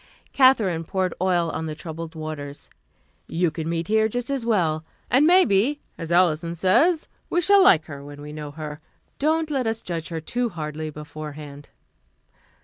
Katherine poured oil on the troubled waters. "You can meet here just as well. And maybe, as Alison says, we shall like her when we know her. Don't let us judge her too hardly beforehand."